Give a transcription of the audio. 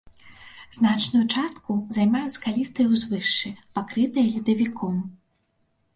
Значную частку займаюць скалістыя ўзвышшы, пакрытыя ледавіком.